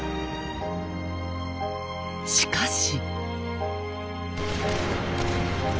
しかし。